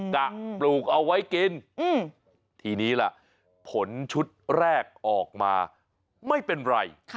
จะปลูกเอาไว้กินทีนี้ล่ะผลชุดแรกออกมาไม่เป็นไร